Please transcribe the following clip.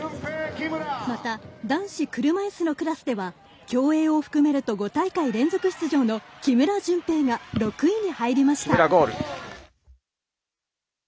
また男子車いすのクラスでは競泳を含めると５大会連続出場の木村潤平が６位に入りました。